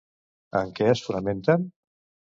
En què es fonamenten?